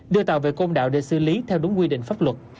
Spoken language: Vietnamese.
đưa tàu về côn đảo để xử lý theo đúng quy định pháp luật